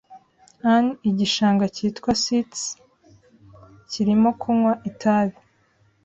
ann igishanga cyitwa Styx kirimo kunywa itabi